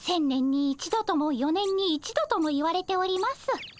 １，０００年に１度とも４年に１度ともいわれております。